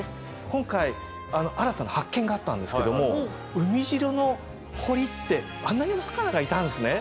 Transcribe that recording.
今回新たな発見があったんですけども海城の堀ってあんなにお魚がいたんですね。